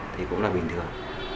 thì cũng là bình thường